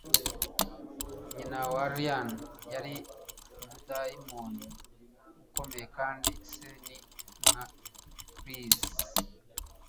Nyina wa Rhyn yari umudayimoni ukomeye, kandi se ni nka Kris.